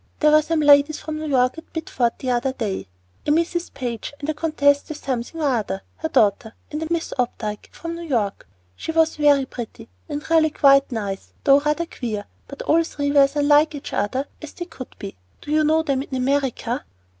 There were some ladies from New York at Bideford the other day, a Mrs. Page and a Comtesse de Something or other, her daughter, and a Miss Opdyke from New York. She was very pretty and really quite nice, though rather queer, but all three were as unlike each other as they could be. Do you know them in America?"